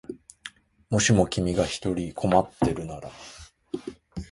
もしも君が一人困ってるなら